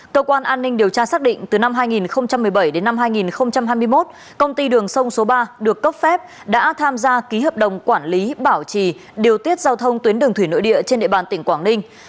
cơ quan an ninh điều tra xác định từ năm hai nghìn một mươi bảy đến năm hai nghìn hai mươi một công ty đường sông số ba được cấp phép đã tham gia ký hợp đồng quản lý bảo trì điều tiết giao thông tuyến đường thủy nội địa trên địa bàn tỉnh quảng ninh